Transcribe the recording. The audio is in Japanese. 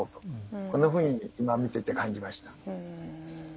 こんなふうに今見ていて感じました。